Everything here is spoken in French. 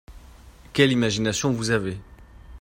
Quelle imagination vous avez